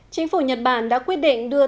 chính phủ nhật bản đã quyết định đưa